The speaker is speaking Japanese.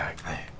はい。